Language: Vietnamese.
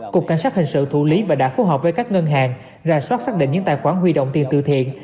cục cảnh sát hình sự thủ lý và đã phù hợp với các ngân hàng ra soát xác định những tài khoản huy động tiền từ thiện